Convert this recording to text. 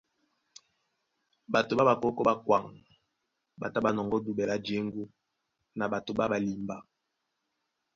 Ɓato ɓá ɓakókō ɓá kwaŋ ɓá tá ɓá nɔŋgɔ́ duɓɛ lá jěŋgú na ɓato ɓá ɓalimba.